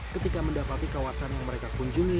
ketika mendapati kawasan yang mereka kunjungi